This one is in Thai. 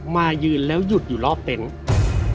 มายืนแล้วหยุดอยู่รอบเต็นต์